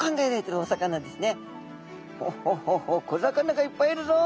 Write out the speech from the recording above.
「ホホホホ小魚がいっぱいいるぞ」。